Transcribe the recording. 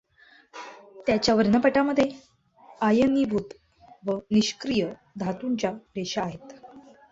त्याच्या वर्णपटामध्ये आयनीभूत व निष्क्रिय धांतूंच्या रेषा आहेत.